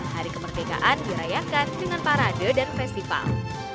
hari kemerdekaan dirayakan dengan parade dan festival